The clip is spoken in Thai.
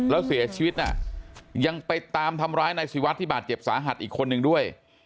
แล้วเสียชีวิตน่ะยังไปตามทำร้ายนายศิวัตรที่บาดเจ็บสาหัสอีกคนนึงด้วย